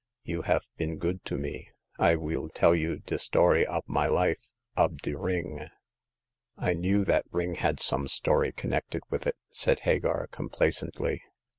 You haf been good to me. I weel tell you de story ob my life — ob de ring.'' I knew that ring had some story connected with it," said Hagar, complacently.